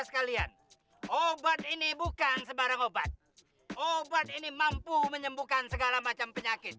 sekalian obat ini bukan sebarang obat obat ini mampu menyembuhkan segala macam penyakit